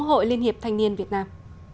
hội liên hiệp thanh niên việt nam